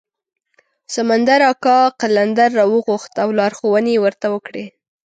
سمندر اکا قلندر راوغوښت او لارښوونې یې ورته وکړې.